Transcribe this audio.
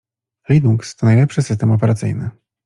Linux to najlepszy system operacyjny.